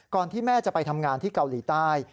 ที่แม่จะไปทำงานที่เกาหลีใต้